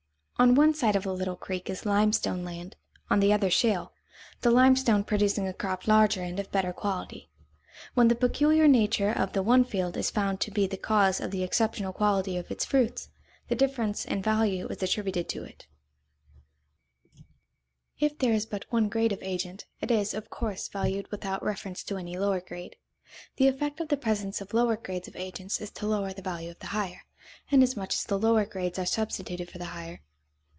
On one side of a little creek is limestone land, on the other shale, the limestone producing a crop larger and of better quality. When the peculiar nature of the one field is found to be the cause of the exceptional quality of its fruits, the difference in value is attributed to it. [Sidenote: The lower grade limits the value of the higher grade] If there is but one grade of agent, it is, of course, valued without reference to any lower grade. The effect of the presence of lower grades of agents is to lower the value of the higher, inasmuch as the lower grades are substituted for the higher.